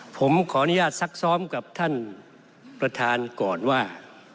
ผมขออนุญาตซักซ้อมกับท่านประธานก่อนว่า